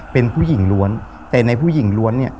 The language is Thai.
เป็นผู้หญิงล้วนแต่ในผู้หญิงล้วนเนี่ย